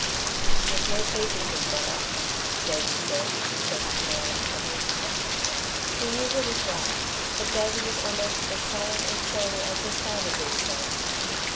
"There's no pleasing him, mother," Davey said, shaking her arms from him. She knew he was right, but Davey was almost as sullen and surly as his father these days.